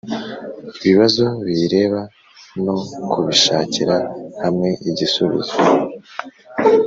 Ibibazo Biyireba No Kubishakira Hamweigisubizo